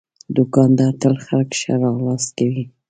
دوکاندار تل خلک ښه راغلاست کوي.